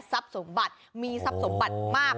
ทรัพย์สมบัติมีทรัพย์สมบัติมาก